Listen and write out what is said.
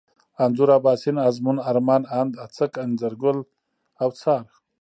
انځور ، اباسين ، ازمون ، ارمان ، اند، اڅک ، انځرگل ، اوڅار